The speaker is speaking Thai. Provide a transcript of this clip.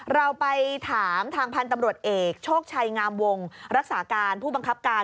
เราไปถามทางพันธุ์ตำรวจเอกโชคชัยงามวงรักษาการผู้บังคับการ